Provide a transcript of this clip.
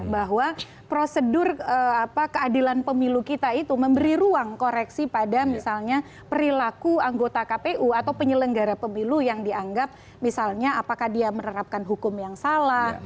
bahwa prosedur keadilan pemilu kita itu memberi ruang koreksi pada misalnya perilaku anggota kpu atau penyelenggara pemilu yang dianggap misalnya apakah dia menerapkan hukum yang salah